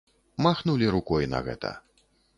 Махнулі рукой на гэта.